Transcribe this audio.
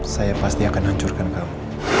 saya pasti akan hancurkan kamu